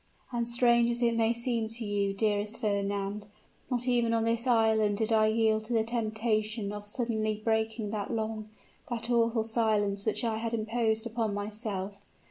And strange as it may seem to you, dearest Fernand, not even on this island did I yield to the temptation of suddenly breaking that long, that awful silence which I had imposed upon myself.